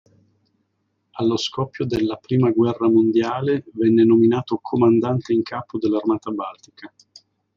Allo scoppio della Prima guerra mondiale venne nominato Comandante in capo dell'Armata Baltica.